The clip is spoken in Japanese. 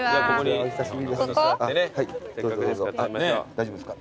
大丈夫ですか？